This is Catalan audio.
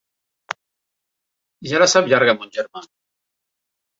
Ja la sap llarga, mon germà!